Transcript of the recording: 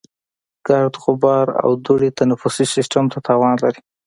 ګرد، غبار او دوړې تنفسي سیستم ته تاوان لري.